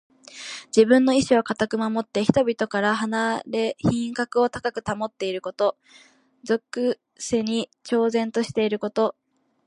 自分の意志をかたく守って、人々から離れ品格を高く保っていること。俗世に超然としていること。